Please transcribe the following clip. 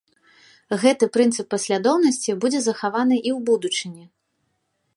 Гэты прынцып паслядоўнасці будзе захаваны і ў будучыні.